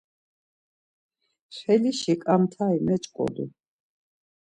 Felişi ǩant̆ari meç̌ǩodu.